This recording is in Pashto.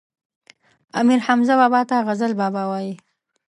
امير حمزه بابا ته غزل بابا وايي